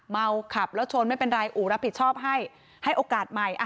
เมาขับแล้วชนไม่เป็นไรอู่รับผิดชอบให้ให้โอกาสใหม่